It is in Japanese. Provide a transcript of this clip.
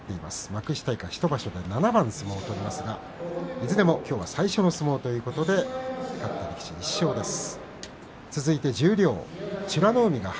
幕下以下は１場所で７番相撲を取りますがいずれもきょうは最初の相撲ということで１勝です。